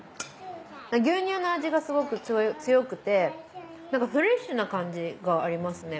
牛乳の味がすごく強くてなんかフレッシュな感じがありますね。